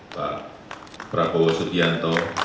pak prabowo sudianto